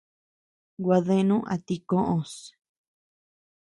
Gua deanu a ti koʼös.